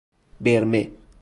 برمه